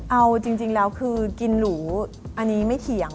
เอาจริงแล้วคือกินหรูอันนี้ไม่เถียง